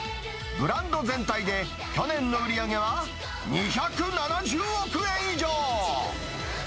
ブランド全体で去年の売り上げは、２７０億円以上。